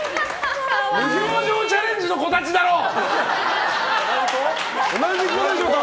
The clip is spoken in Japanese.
無表情チャレンジの子たちだろう。